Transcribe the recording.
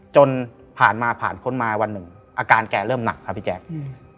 จนผ่านมาผ่านพ้นมาวันหนึ่งอาการแกเริ่มหนักครับพี่แจ๊คอืม